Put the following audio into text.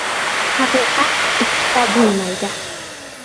• Haqiqat ikkita bo‘lmaydi.